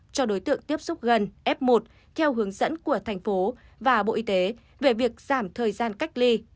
cho đối tượng tiếp xúc gần f một theo hướng dẫn của thành phố và bộ y tế về việc giảm thời gian cách ly